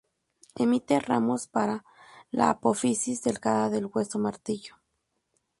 Emite ramos para la apófisis delgada del hueso martillo.